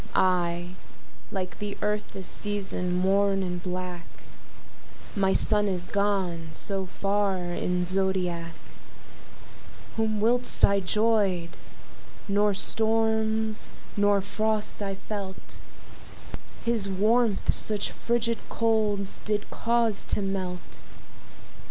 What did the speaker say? I, like the Earth this season, mourn in black, My Sun is gone so far in's zodiac, Whom whilst I 'joyed, nor storms, nor frost I felt, His warmth such fridged colds did cause to melt.